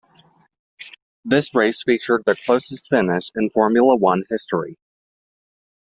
This race featured the closest finish in Formula One history.